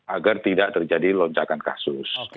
agar tidak terjadi lonjakan kasus